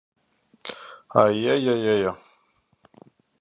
A jeja, jeja!